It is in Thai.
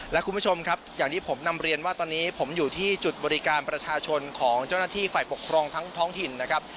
และคุณผู้ชมครับอย่างที่ผมนำเรียนว่าตอนนี้ผมอยู่ที่จุดบริการประชาชนของเจ้าหน้าที่ฝ่ายปกครองทั้งท้องถิ่นนะครับ